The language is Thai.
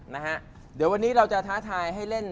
นะฮะเดี๋ยววันนี้เราจะท้าทายให้เล่น